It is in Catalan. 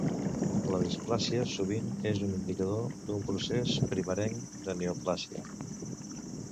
La displàsia sovint és un indicador d'un procés primerenc de neoplàsia.